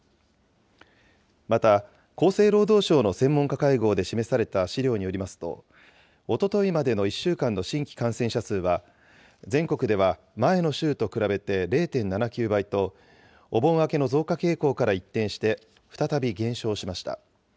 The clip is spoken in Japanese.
また、厚生労働省の専門家会合で示された資料によりますと、おとといまでの１週間の新規感染者数は、全国では前の週と比べて０．７９倍と、お盆明けの増加傾向から一転して、再び減少しました。